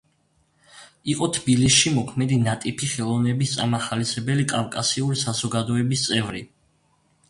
იყო თბილისში მოქმედი ნატიფი ხელოვნების წამახალისებელი კავკასიური საზოგადოების წევრი.